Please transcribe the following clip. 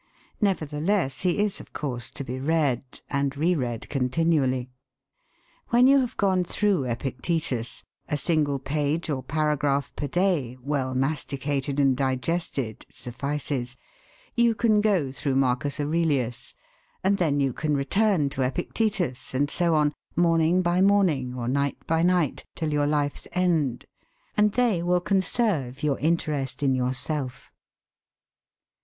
Nevertheless, he is of course to be read, and re read continually. When you have gone through Epictetus a single page or paragraph per day, well masticated and digested, suffices you can go through M. Aurelius, and then you can return to Epictetus, and so on, morning by morning, or night by night, till your life's end. And they will conserve your interest in yourself.